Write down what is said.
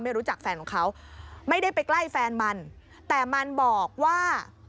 รู้จักแฟนของเขาไม่ได้ไปใกล้แฟนมันแต่มันบอกว่า